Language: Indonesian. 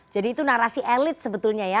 jadi itu narasi elit sebetulnya ya